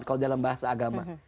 kalau dalam bahasa agama